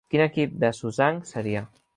Quin equip de Sunsang seria?